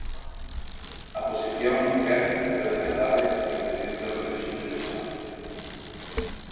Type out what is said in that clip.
A oposición non quer, pero de verdade que o presidente do Colexio puido chamar.